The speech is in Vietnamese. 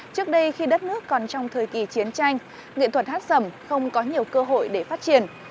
trước đây khi đất nước còn trong thời kỳ chiến tranh nghệ thuật hát sẩm không có nhiều cơ hội để phát triển